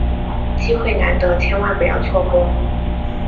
机会难得，千万不要错过！